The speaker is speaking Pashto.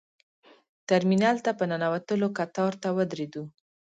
ترمینل ته په ننوتلو کتار ته ودرېدو.